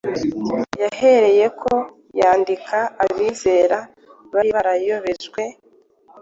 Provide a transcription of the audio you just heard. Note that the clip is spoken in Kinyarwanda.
Yahereyeko yandikira abizera bari barayobejwe,